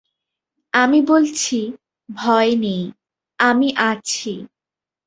আমি বলছি, ভয় নেই, আমি আছি।